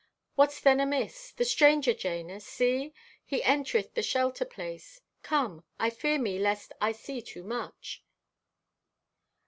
What's then amiss? The stranger, Jana! See! He entereth the shelter place! Come, I fear me lest I see too much?